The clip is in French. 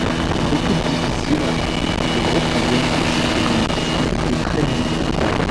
D'écoute difficile, le groupe ne bénéficie que d'une visibilité très limitée.